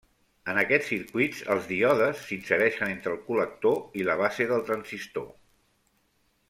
En aquests circuits, els díodes s'insereixen entre el col·lector i la base del transistor.